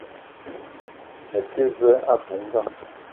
Me te ve a bou ngang